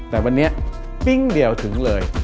แต่วันนี้ปิ้งเดียวถึงเลย